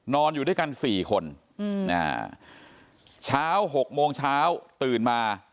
นอนอยู่ด้วยกันสี่คนอืมอ่าเช้าหกโมงเช้าตื่นมา